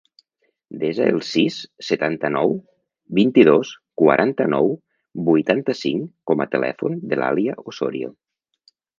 Desa el sis, setanta-nou, vint-i-dos, quaranta-nou, vuitanta-cinc com a telèfon de l'Alia Ossorio.